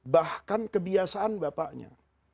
bahkan kebiasaan bapaknya